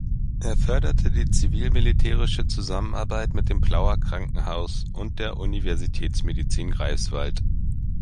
Er förderte die zivil-militärische Zusammenarbeit mit dem Plauer Krankenhaus und der Universitätsmedizin Greifswald.